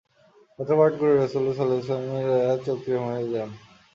পত্র পাঠ করে রাসুল সাল্লাল্লাহু আলাইহি ওয়াসাল্লাম-এর চেহারা রক্তিম হয়ে যায়।